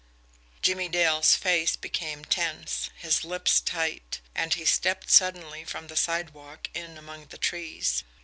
Jimmie Dale's face became tense, his lips tight and he stepped suddenly from the sidewalk in among the trees.